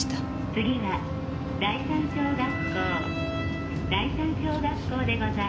「次は第三小学校第三小学校でございます」